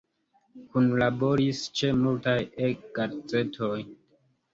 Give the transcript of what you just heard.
Kunlaboris ĉe multaj E-gazetoj.